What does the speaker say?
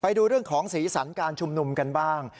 ไปดูเรื่องของสีสันการชุมนุมกันบ้าง